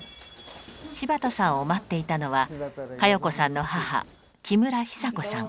柴田さんを待っていたのは佳世子さんの母木村ひさこさん